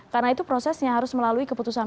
karena itu prosesnya harus melalui keputusan